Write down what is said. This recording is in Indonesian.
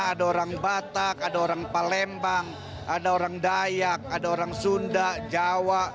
ada orang batak ada orang palembang ada orang dayak ada orang sunda jawa